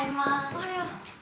おはよう。